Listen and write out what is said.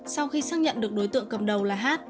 sau khi xác nhận được đối tượng cầm đầu là hát